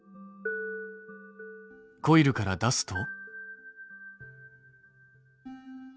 コイルから出すと。